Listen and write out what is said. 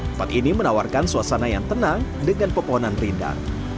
tempat ini menawarkan suasana yang tenang dengan pepohonan rindang